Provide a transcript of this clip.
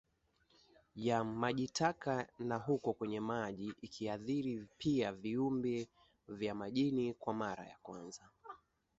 ya majitaka na huko kwenye maji ikiathiri pia viumbe vya majiniKwa mara ya kwanza